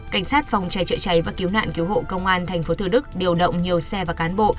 cảnh sát phòng cháy chữa cháy và cứu nạn cứu hộ công an tp thủ đức điều động nhiều xe và cán bộ